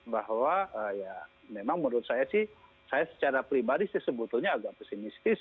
bahwa ya memang menurut saya sih saya secara pribadi sih sebetulnya agak pesimistis